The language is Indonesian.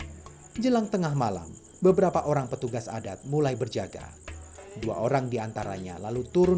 jelang tengah malam beberapa orang petugas adat mulai berjaga dua orang diantaranya lalu turun